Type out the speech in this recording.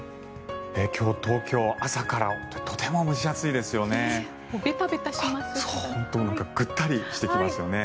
今日、東京は朝からとても蒸し暑いですよね。